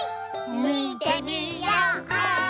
みてみよう！